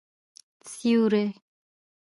سیوری